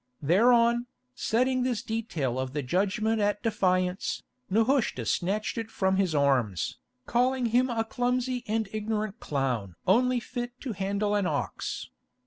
Thereon, setting this detail of the judgment at defiance, Nehushta snatched it from his arms, calling him a clumsy and ignorant clown only fit to handle an ox.